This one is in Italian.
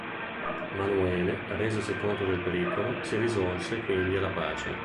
Manuele, resosi conto del pericolo, si risolse quindi alla pace.